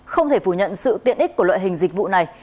không thể phủ nhận sự tiện ích của loại hình dịch vụ này